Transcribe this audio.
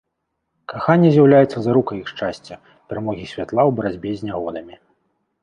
Каханне з'яўляецца зарукай іх шчасця, перамогі святла ў барацьбе з нягодамі.